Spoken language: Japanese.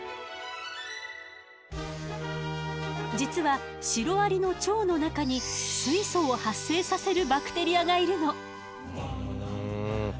実はシロアリの腸の中に水素を発生させるバクテリアがいるの。